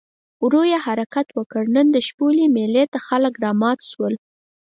ورو یې حرکت وکړ، نن د شپولې مېلې ته خلک رامات شول.